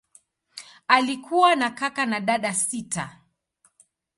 Alikuwa na kaka na dada sita.